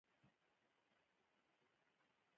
د لانجمن قانون له امله تر دعوو لاندې وې.